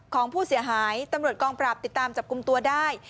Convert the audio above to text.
ของผู้เสียหายตำรวจกองปราบติดตามจับกลุ่มตัวได้